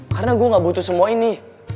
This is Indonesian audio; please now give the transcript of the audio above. karena gue gak butuh semua ini